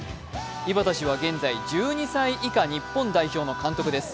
井端氏は現在１２歳以下日本代表の監督です。